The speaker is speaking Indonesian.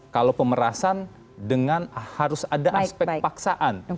kalau pemerasan dengan harus ada aspek paksaan